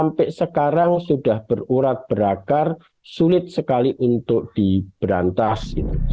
sampai sekarang sudah berurat berakar sulit sekali untuk diberantas